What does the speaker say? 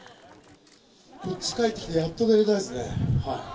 こっち帰ってきてやっと寝れたですね。